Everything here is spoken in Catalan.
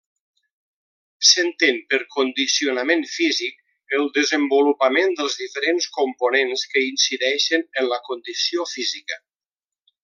S'entén per condicionament físic el desenvolupament dels diferents components que incideixen en la condició física.